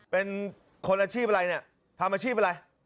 เป็นคนอาชีพอะไรเนี่ยทำอาชีพอะไร